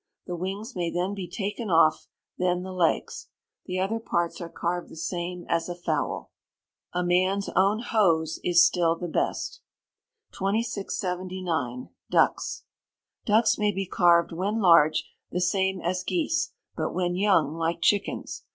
The wings may then be taken off, then the legs. The other parts are carved the same as a fowl. [A MAN'S OWN HOSE IS STILL THE BEST.] 2679. Ducks. Ducks may be carved, when large, the same as geese; but when young, like chickens.